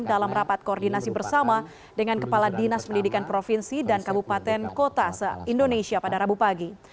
dalam rapat koordinasi bersama dengan kepala dinas pendidikan provinsi dan kabupaten kota se indonesia pada rabu pagi